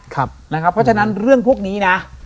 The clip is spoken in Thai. เพราะฉะนั้นเรื่องพวกนี้นะ